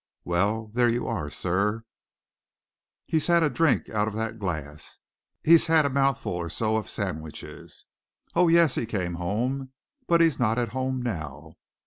Well, there you are, sir he's had a drink out of that glass, he's had a mouthful or so of sandwiches. Oh, yes, he came home, but he's not at home now!